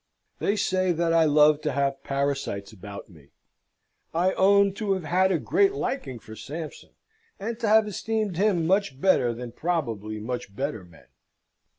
They say that I love to have parasites about me. I own to have had a great liking for Sampson, and to have esteemed him much better than probably much better men.